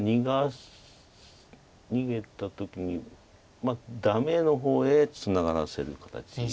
逃げた時にダメの方へツナがらせる形。